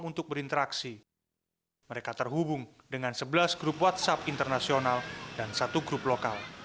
untuk berinteraksi mereka terhubung dengan sebelas grup whatsapp internasional dan satu grup lokal